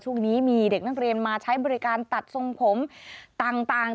ช่วงนี้มีเด็กนักเรียนมาใช้บริการตัดส่งผมต่างจำนวนมากค่ะ